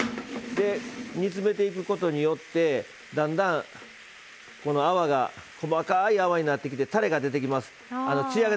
煮詰めていくことによってだんだん泡が細かい泡になってきてつやが出てきます。